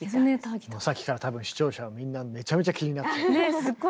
さっきから多分視聴者はみんなめちゃめちゃ気になってた。